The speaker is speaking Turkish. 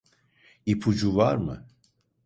İpucu var mı?